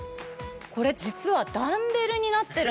これ実は。